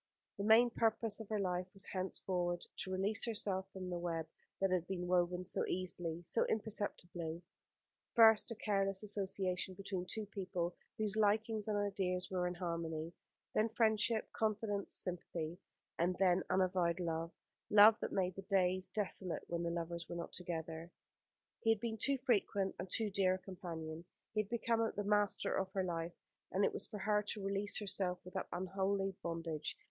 The main purpose of her life was henceforward to release herself from the web that had been woven so easily, so imperceptibly; first a careless association between two people whose likings and ideas were in harmony; then friendship, confidence, sympathy; and then unavowed love; love that made the days desolate when the lovers were not together. He had been too frequent and too dear a companion. He had become the master of her life, and it was for her to release herself from that unholy bondage.